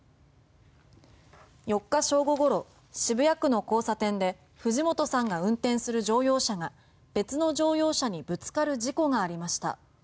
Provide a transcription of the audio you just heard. ４日正午ごろ、渋谷区の交差点で藤本さんが運転する乗用車が別の乗用車にぶつかる事故がありました。